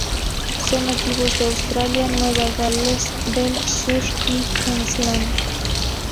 Son nativos de Australia, Nueva Gales del Sur y Queensland.